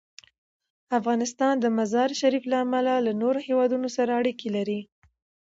افغانستان د مزارشریف له امله له نورو هېوادونو سره اړیکې لري.